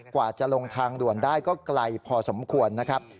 กว่าจะลงทางด่วนได้ก็ไกลพอสมควรนะครับ